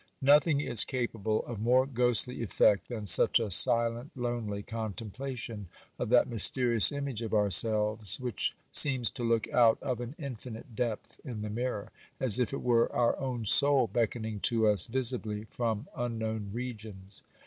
Nothing is capable of more ghostly effect than such a silent, lonely contemplation of that mysterious image of ourselves which seems to look out of an infinite depth in the mirror, as if it were our own soul beckoning to us visibly from unknown regions.